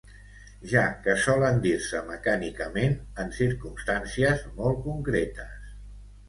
ja que solen dir-se mecànicament en circumstàncies molt concretes